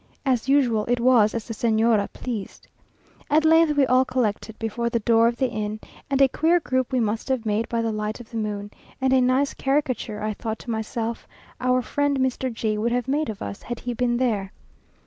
As usual, it was as the Señora pleased. At length we all collected before the door of the inn, and a queer group we must have made by the light of the moon, and a nice caricature, I thought to myself, our friend Mr. G would have made of us, had he been there.